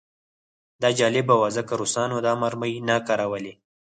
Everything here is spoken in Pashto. دا جالبه وه ځکه روسانو دا مرمۍ نه کارولې